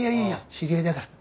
知り合いだから。